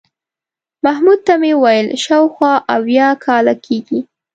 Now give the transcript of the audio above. محمود ته مې وویل شاوخوا اویا کاله کېږي.